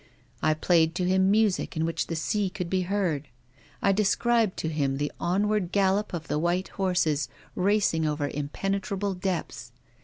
I played to him music in which the sea could be heard. I de scribed to him the onward gallop of the white horses, racing over impenetrable depths.